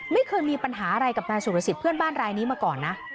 ไม่เคยมีปัญหาอะไรกับนายสุรสิทธิ์เพื่อนบ้านรายนี้มาก่อนนะ